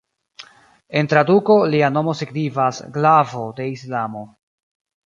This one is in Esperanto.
En traduko lia nomo signifas "glavo de Islamo".